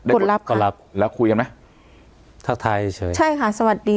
คนรับก็รับแล้วคุยกันไหมทักทายเฉยใช่ค่ะสวัสดี